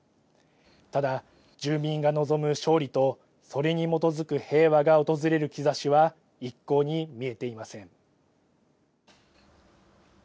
ただ、住民が望む勝利と、それに基づく平和が訪れる兆しは、一向に見えていません。